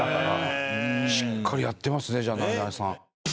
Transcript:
しっかりやってますねじゃあナイナイさん。